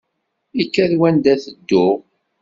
Ikad wanda tedduɣ.